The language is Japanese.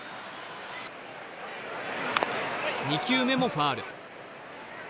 ２球目もファウル。